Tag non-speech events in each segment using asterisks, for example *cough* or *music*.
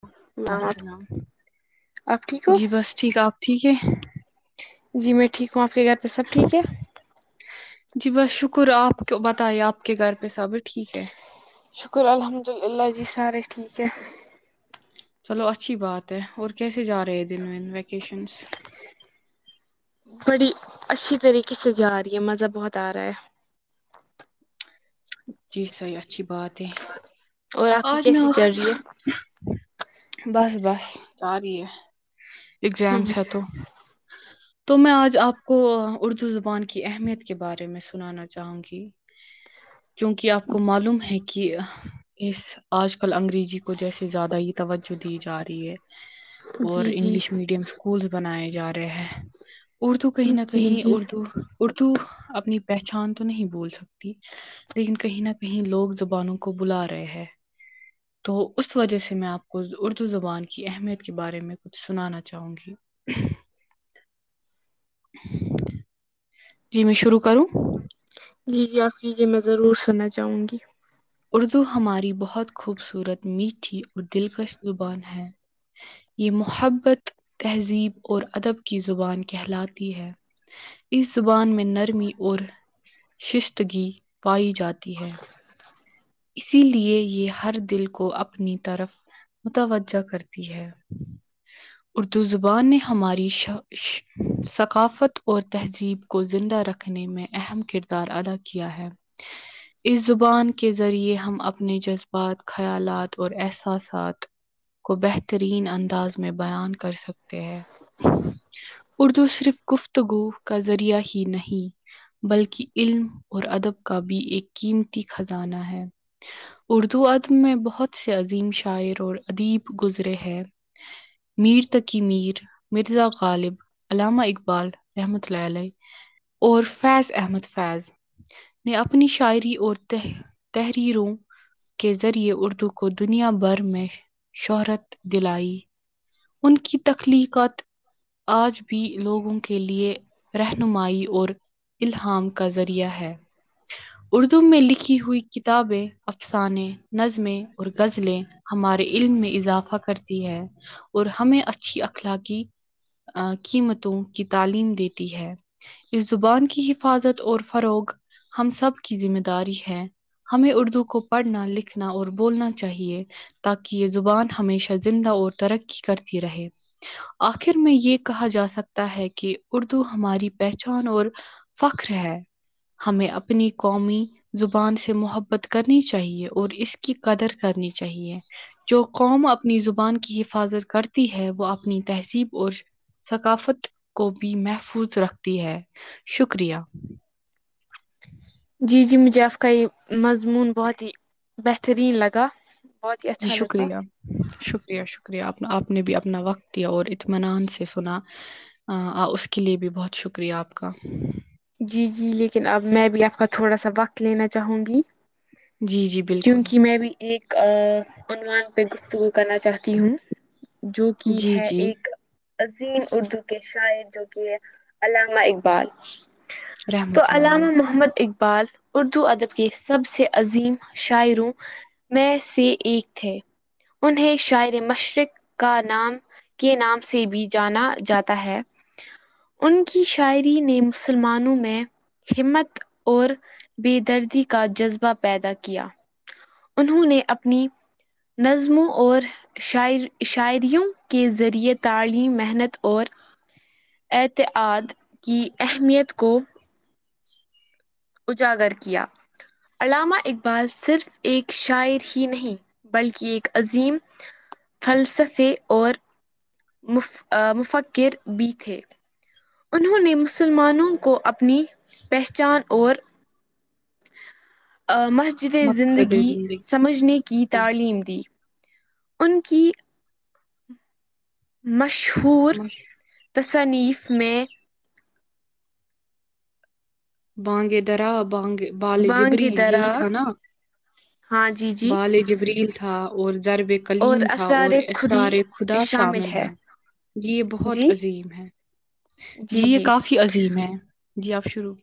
کم میم آپ والسلام آپ ٹھیک ہو جی بس ٹھیک آپ ٹھیک ہے جی میں ٹھیک ہوں آپ کے گر پے سب ٹھیک ہے جی بس شکر آپ کو بتائیے آپ کے گھر پے سب ٹھیک ہے شکر الحمد اللہ جی سارے ٹھیک ہے چلو اچھی بات ہے اور کیسے جا رہے ہیں دن ون ویکیشنس بڑی اچھی طریقے سے جا رہی ہے مزہ بہت آ رہا ہے جی صحیح اچھی بات ہے اور آپ کی آج میں کیسی چل رہی ہے آپ بس بس تیاری ہے اگزامس ہے تو تو میں آج آپ کو اردو زبان کی اہمیت کے بارے میں سنانا چاہوں گی کیونکی آپ کو معلوم ہے کی اس آج کل انگریزی کو جیسے زیادہ ہی توجہ دی جا رہی ہے اور جی جی انگلش میڈیم اسکولس بنائے جا رہے ہے اردو کہیں نہ جی کہیں جی اردو اردو اپنی پہچان تو نہیں بھول سکتی لیکن کہیں نہ کہیں لوگ زبانوں کو بلارہے ہیں تو اس وجہ سے میں آپ کو اردو زبان کی اہمیت کے بارے میں کچھ سنانا چاہوں گی ہ جی میں شرو کروں جی جی آپ کیجیے میں ضرور سننا چاہوں گی اردو ہماری بہت خوبصورت میٹھی اور دلکش زبان ہے یے محبت تہذیب اور ادب کی زبان کہلاتی ہے اس زبان میں نرمی اور شائستگی پائی جاتی ہے اسی لیے یے ہر دل کو اپنی طرف متوجہ کرتی ہے اردو زبان نے ہماری شہ ثقافت اور تہذیب کو زندہ رکھنے میں اہم کردار ادا کیا ہے اس زبان کے ذریعے ہم اپنے جذبات خیالات اور احساسات کو بہترین انداز میں بیان کر سکتے ہیں اردو صرف گفتگو کا ذریعہ ہی نہیں بلکی علم اور ادب کا بھی ایک قیمتی خزانہ ہے اردو ادب میں بہت سے عظیم شاعر اور ادیب گزرے ہیں میر تقی میر مرزا غالب علامہ اقبال رحمتہ اللہ علیہ اور فیض احمد فیض نے اپنی شاعری اور ت تحریروں کے ذریعے اردو کو دنیا بھر میں شہرت دلائی ان کی تخلیقات آج بھی لوگوں کے لیے رہنمائی اور الہام کا ذریعہ ہے اردو میں لکھی ہوئی کتابیں افسانے نظمیں اور غزلیں ہمارے علم میں اضافہ کرتی ہے اور ہمیں اچھی اخلاقی آ قیمتوں کی تعلیم دیتی ہے اس زبان کی حفاظت اور فروغ ہم سب کی ذمہ داری ہے ہمیں اردو کو پڑھنا لکھنا اور بولنا چاہیے تاکہ یہ زبان ہمیشہ زندہ اور ترقی کرتی رہے آخر میں یہ کہا جا سکتا ہے کہ اردو ہماری پہچان اور فخر ہے ہمیں اپنی قومی زبان سے محبت کرنی چاہیے اور اس کی قدر کرنی چاہیے جو قوم اپنی زبان کی حفاظت کرتی ہے وہ اپنی تہذیب اور ثقافت کو بھی محفوظ رکھتی ہے شکریہ جی جی مجھےآپ کا یہ مضمون بہت ہی بہترین لگا بہت ہی جی اچھا لگا شکریہ شکریہ شکریہ آپ آپ نے بھی اپنا وقت دیا اور اطمینان سے سنا اں اس کے لیے بھی بہت شکریہ آپ کا جی جی لیکن اب میں بھی آپ کا تھوڑا سا وقت لینا چاہوں گی جی جی بالکل کیونکہ میں بھی ایک آ عنوان پہ گفتگو کرنا چاہتی ہوں جو کہ جی ہے جی ایک عظیم اردو کے شاعر جو کہ ہے علامہ اقبال تو رحمت اللہ علیہ علامہ محمد اقبال اردو ادب کے سب سے عظیم شاعروں میں سے ایک تھے انہیں شاعر مشرق کا نام کے نام سے بھی جانا جاتا ہے ان کی شاعری نے مسلمانوں میں ہمت اور بیدردی کا جذبہ پیدا کیا انہوں نے اپنی نظموں اور شاعر شاعریوں کے ذریعے تعلیم محنت اور اعتماد کی اہمیت کو اجاگر کیا علامہ اقبال صرف ایک شاعر ہی نہیں بلکہ ایک عظیم فلسفی اور مف مفکر بھی تھے انہوں نے مسلمانوں کو اپنی پہچان اور مسجد اے زندگی سمجھنے کی تعلیم دی ان کی مشہور مش تصنیف میں بانگے درا بانگ بال بانگ جبریل یہی درا تھا نا ہاں جی جی بال ے جبریل تھا اور در بے کا اور کلیم تھا اسرار اور خودی اسرار ے خدا شامل ہیں یہ بہت جی عظیم ہے جی جی یہ کافی عظیم ہے جی آپ شروع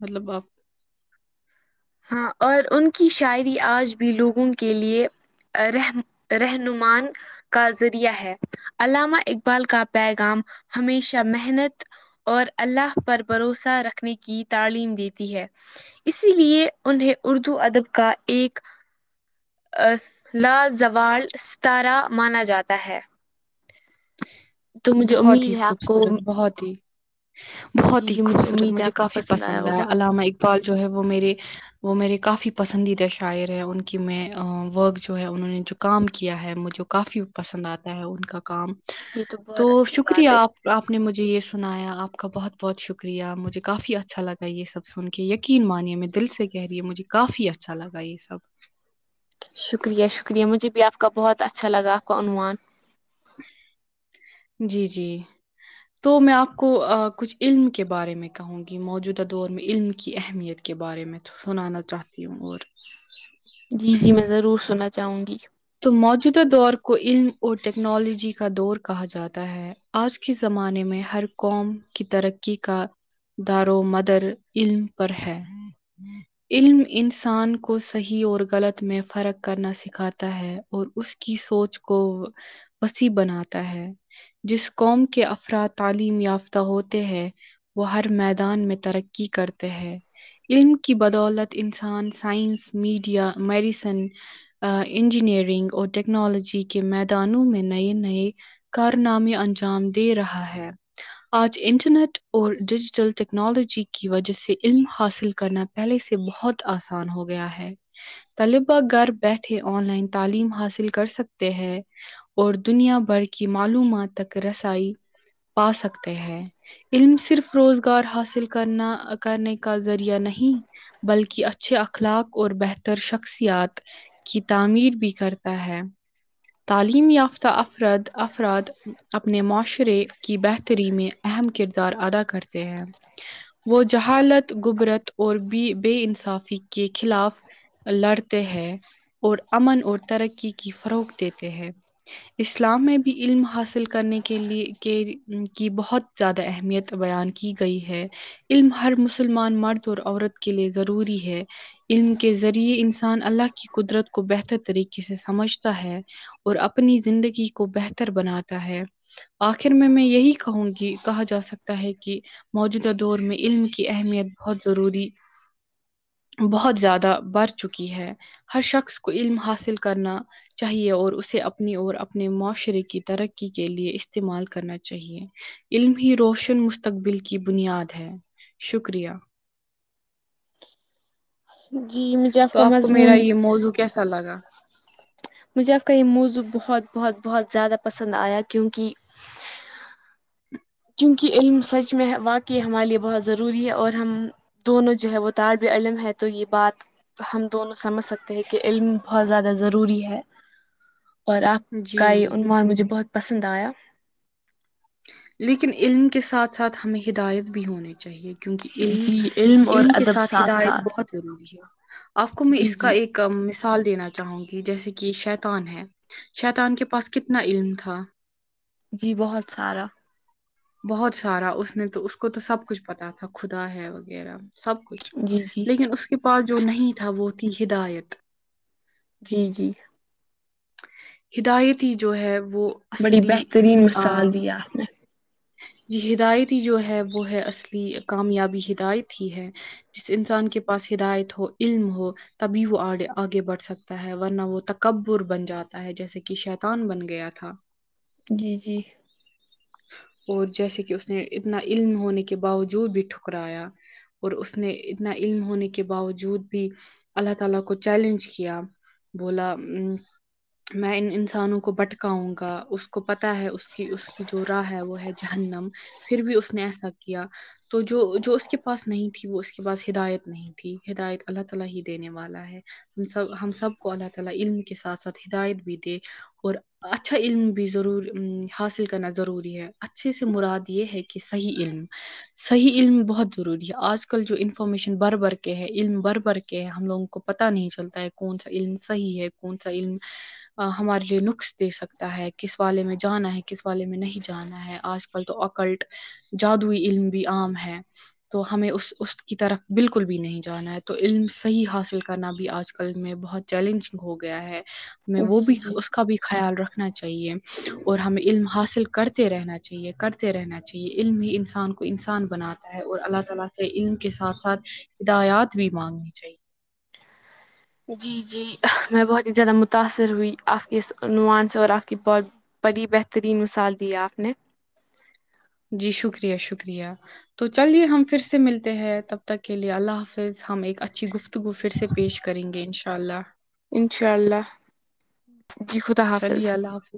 مطلب آپ ہاں اور ان کی شاعری آج بھی لوگوں کے لیے اہ رہم رہنمان کا ذریعہ ہے علامہ اقبال کا پیغام ہمیشہ محنت اور اللہ پر بھروسہ رکھنے کی تعلیم دیتی ہے اسی لیے انہیں اردو ادب کا ایک لا زوال ستارہ مانا جاتا ہے *inaudible* مجھے بہت ہی امید ہے آپ کو خوبصورت بہت ہی بہت جی ہی جی خوبصورت امید ہے مجھے آپ کو کافی پسند آیا ہوگا علامہ اقبال جو ہے وہ میرے وہ میرے کافی پسندیدہ شاعر ہیں ان کی میں ورک جو ہے انہوں نے جو کام کیا ہے مجھے کافی پسند آتا ہے ان کا کام یہ تو بہت اچھی بات شکریہ ہے آپ آپ نے مجھے یہ سنایا آپ کا بہت بہت شکریہ مجھے کافی اچھا لگا یہ سب سن کے یقین مانیے میں دل سے کہہ رہی ہوں مجھے کافی اچھا لگا یے سب شکریہ شکریہ مجھے بھی آپ کا بہت اچھا لگا آپ کا عنوان جی جی تو میں آپ کو کچھ علم کے بارے میں کہو گی موجودہ دور میں علم کی اہمیت کے بارے میں سنانا چاہتی ہوں اور جی جی میں ضرور سننا چاہوں گی تو موجودہ دور کو علم اور ٹیکنالوجی کا دور کہا جاتا ہے آج کے زمانے میں ہر قوم کی ترقی کا دارو مدر علم پر ہے علم انسان کو صحیح اور غلط میں فرق کرنا سکھا تا ہے اور اس کی سوچ کو وسیع بناتا ہے جس قوم کے افراد تعلیم یافتہ ہوتے ہیں وہ ہر میدان میں ترقی کرتے ہیں علم کی بدولت انسان سائنس میڈیا میڈیسن انجینئرنگ اور ٹیکنالوجی کے میدانوں میں نئے نئے کارنامے انجام دے رہا ہے آج انٹرنیٹ اور ڈیجیٹل ٹیکنالوجی کی وجہ سے علم حاصل کرنا پہلے سے بہت آسان ہو گیا ہے طلباء گھر بیٹھے آن لائن تعلیم حاصل کر سکتے ہیں اور دنیا بھر کی معلومات تک رسائی پا سکتے ہیں علم صرف روزگار حاصل کرنا کرنے کا ذریعہ نہیں بلکہ اچھے اخلاق اور بہتر شخصیات کی تعمیر بھی کرتا ہے تعلیم یافتہ افراد افرآد اپنے معاشرے کی بہتری میں اہم کردار ادا کرتے ہیں وہ جہالت گوبرت اور بی بے انصافی کے خلاف لڑتے ہیں اور امن اور ترقی کی فروغ دیتے ہیں اسلام میں بھی علم حاصل کرنے کے لیے کے کی بہت زیادہ اہمیت بیان کی گئی ہے علم ہر مسلمان مرد اور عورت کے لیے ضروری ہے علم کے ذریعے انسان اللہ کی قدرت کو بہتر طریقے سے سمجھتا ہے اور اپنی زندگی کو بہتر بناتا ہے آخر میں میں یہی کہوں گی کہا جا سکتا ہے کی موجودہ دور میں علم کی اہمیت بہت ضروری بہت زیادہ بڑھ چکی ہے ہر شخص کو علم حاصل کرنا چاہ چاہیے اور اسے اپنی اور اپنے معاشرے کی ترقی کے لیے استعمال کرنا چاہیے علم ہی روشن مستقبل کی بنیاد ہے شکریہ جی مجھے تو کا آپ کو میرا مضمون یے موضوع کیسا لگا مجھے آپ کا یہ موضوع بہت بہت بہت زیادہ پسند آیا کیونکہ کیونکہ علم سچ میں واقعی ہمارے لیے بہت ضروری ہے اور ہم دونوں جو ہے وہ طالب علم ہے تو یہ بات ہم دونوں سمجھ سکتے ہیں کہ علم بہت زیادہ ضروری ہے اور آپ جی کا یہ جی عنوان مجھے بہت پسند آیا لیکن علم کے ساتھ ساتھ ہمیں ہدایت بھی ہونی چاہیے کیونکہ علم جی اور علم کے ادب ساتھ ہدایت ساتھ بہت ضروری ہے آپ کو میں جی اس کا جی ایک کا مثال دینا چاہوں گی جیسے کی شیطان ہے شیطان کے پاس کتنا علم تھا جی بہت سارا بہت سارا اس نے تو اس کو تو سب کچھ پتا تھا خدا ہے وغیرہ سب کچھ جی جی لیکن اس کے پاس جو نہیں تھا وہ تھی ہدایت جی جی ہدایتی جو ہے وہ بڑی اصلی بہترین آ، مثال دیا آپ نے جی ہدایتی جو ہے وہ ہے اصلی کامیابی ہدایت ہی ہے جس انسان کے پاس ہدایت ہو علم ہو تبھی وہے آگے بڑھ سکتا ہے ورنہ وہ تکبر بن جاتا ہے جیسے کہ شیتان بن گیا تھا جی جی اور جیسے کہ اس نے اتنا علم ہونے کے باوجود بھی ٹھکرایا اور اس نے اتنا علم ہونے کے باوجود بھی اللہ تعالی کو چیلنج کیا بولا امم میں انسانوں کو بٹکاؤں گا اس کو پتاہ ہے اس کی اس کی جو راہ ہے وہ ہے جہنم پھر بھی اس نے ایسا کیا تو جو جو اس کے پاس نہیں تھی وہ اس کے پاس ہدایت نہیںھی تھی ہدیت اللہ تعالی ہی دینے والا ہے ہم سب ہم سب کو اللہ تعالی علم کے ساتھ ساتھ ہدایت بھی دے اور اچھا علم بھی ضرور حاصل کرنا ضروری ہے اچھے سے مراد یہ ہے کہ صحیح علم صحیح علم بہت ضروری ہے آج کل جو انفارمیشن بر بر کے ہے علم بر بر کے ہے ہم لوگوں کو پتہ نہیں چلتا ہے کون سا علم صحی ہے کون سا علم ہمارے لیے نقص دے سکتا ہے کس والے میں جانا ہے کس والے میں نہیں جانا ہے آج کل تو اکلٹ جادوئی علم بھی عام ہے تو ہمیں اس اس کی طرف بالکل بھی نہیں جانا ہے تو علم صحیح حاصل کرنا بھی آج کل میں بہت چیلنجنگ ہو گیا ہے ہم وہ جی بھی جی اس کا بھی خیال رکھنا چاہیے اور ہمیں علم حاصل کرتے رہنا چاہے چاہیے کرتے رہنا چاہیے علم ہی انسان کو انسان بناتا ہے اور اللہ تعالی سے علم کے ساتھ ساتھ ہدایات بھی مانگنی چاہیے جی جی میں بہت ہی زیادہ متاثر ہوئی آپ کے اس عنوان سے اور آپ کی ب بڑی بہترین مثال دی ہے آپ نے جی شکریہ شکریہ تو چلیے ہم فر سے ملتے ہیں تب تک کے لیے اللہ حافظ ہم ایک اچھی گفت تو وہ فر سے پیش کریں گے انشاء اللہ انشاء اللہ جی خدا چلیے حافظ اللہ حافظ۔